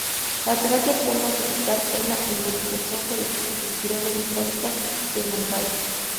La terapia actual más eficaz es la embolización con espirales metálicas desmontables.